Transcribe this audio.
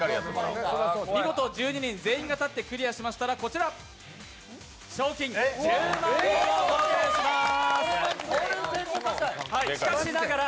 見事１２人全員が立ってクリアしましたら、こちら賞金１０万円を贈呈しまーす。